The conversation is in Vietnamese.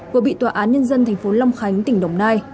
của bị tòa án nhân dân tp long khánh tỉnh đồng nai